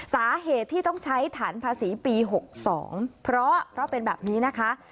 สาเหตุที่ต้องใช้ฐานภาษีปี๖๒เพราะเป็นแบบนี้นะคะ